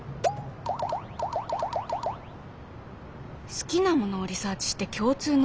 「好きなものをリサーチして共通の話題を作る」。